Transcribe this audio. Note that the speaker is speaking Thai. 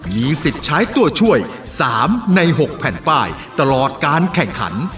มีสิทธิ์ใช้ตัวช่วย๓ใน๖แผ่นป้ายตลอดการแข่งขัน